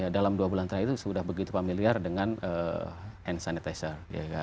dalam dua bulan terakhir itu sudah begitu familiar dengan hand sanitizer